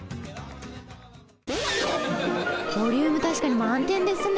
ボリューム確かに満点ですね。